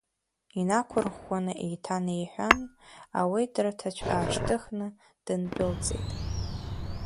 Инақәырӷәӷәаны еиҭанеиҳәан, ауедра ҭацә аашьҭыхны, дындәылҵит.